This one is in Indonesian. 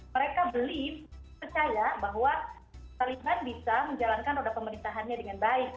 mereka belief percaya bahwa terlibat bisa menjalankan roda pemerintahannya dengan baik